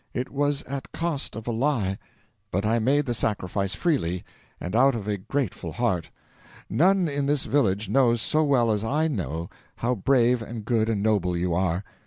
It was at cost of a lie, but I made the sacrifice freely, and out of a grateful heart. None in this village knows so well as I know how brave and good and noble you are.